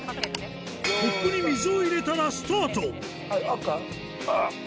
コップに水を入れたらスタート。